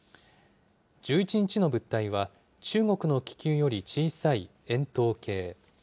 １１日の物体は、中国の気球より小さい円筒形。